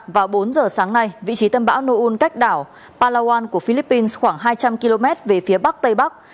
vào bốn giờ sáng nay vị trí tâm bão noun cách đảo palawan của philippines khoảng hai trăm linh km về phía bắc tây bắc